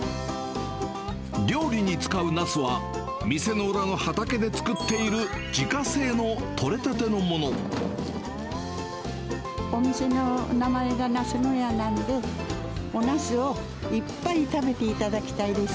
料理に使うナスは、店の裏の畑で作っている、自家製の取れたてのお店の名前がなすの屋なんで、おナスをいっぱい食べていただきたいです。